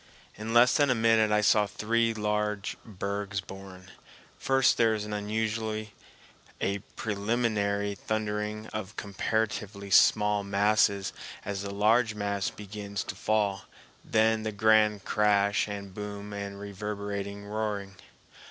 In less than a minute I saw three large bergs born. First there is usually a preliminary thundering of comparatively small masses as the large mass begins to fall, then the grand crash and boom and reverberating roaring.